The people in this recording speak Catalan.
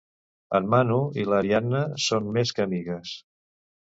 En Manu i l'Ariadna són més que amigues.